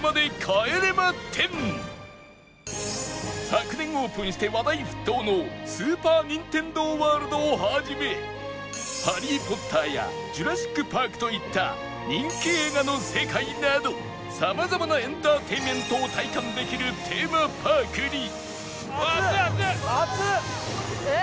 昨年オープンして話題沸騰のスーパー・ニンテンドー・ワールドを始め『ハリー・ポッター』や『ジュラシック・パーク』といった人気映画の世界など様々なエンターテインメントを体感できるテーマパークに